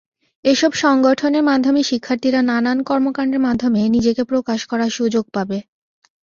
এসব সংগঠনের মাধ্যমে শিক্ষার্থীরা নানান কর্মকাণ্ডের মাধ্যমে নিজেকে প্রকাশ করার সুযোগ পাবে।